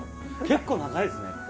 結構長いですね。